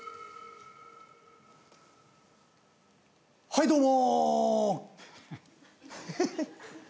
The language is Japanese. はいどうも！